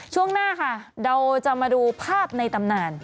ช่วงหน้าค่ะเราจะมาดูภาพในตำนาน